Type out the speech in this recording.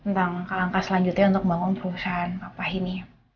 tentang langkah langkah selanjutnya untuk membangun perusahaan apa ini